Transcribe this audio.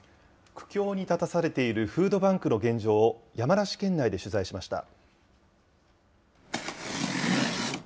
苦境に立たされているフードバンクの現状を山梨県内で取材しました。